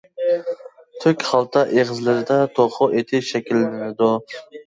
تۈك خالتا ئېغىزلىرىدا «توخۇ ئېتى» شەكىللىنىدۇ.